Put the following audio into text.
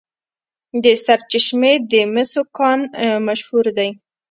د سرچشمې د مسو کان مشهور دی.